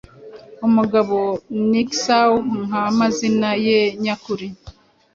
Umugabo N!xau nka amazina ye nyakuri